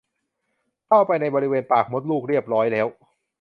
เข้าไปในบริเวณปากมดลูกเรียบร้อยแล้ว